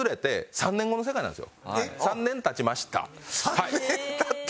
３年経ちました。